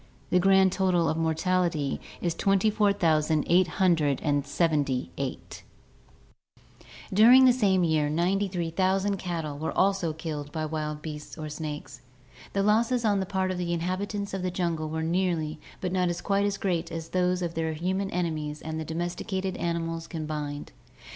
The grand total of mortality is 24,878. 106 ORGANIC EVOLUTION "During the same year 93,000 cattle were also killed by wild beasts or snakes. "The losses on the part of the inhabitants of the jungle were nearly but not quite as great as those of their human enemies and the domesticated animals combined.